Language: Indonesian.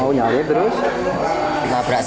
mau nyalip terus